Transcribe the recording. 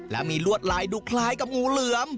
และมีลวดลายดูคล้ายกับงูเหลือม